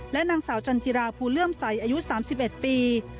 และนางสาวจันจิราภูเลื่อมใสอายุ๓๑ปี